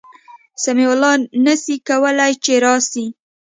سمیع الله نسي کولای چي راسي